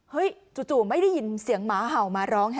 จู่ไม่ได้ยินเสียงหมาเห่ามาร้องไห้